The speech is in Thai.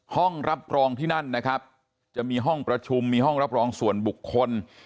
ห้องรับรองที่นั่นนะครับจะมีห้องประชุมมีห้องรับรองส่วนบุคคล